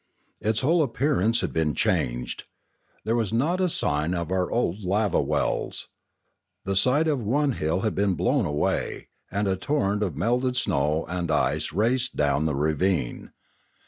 Its whole appearance had been changed. There was not a sign of our old lava wells. The side of one hill had been blown away, and a torrent of melted snow and ice raced down the ravine.